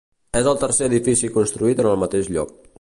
És el tercer edifici construït en el mateix lloc.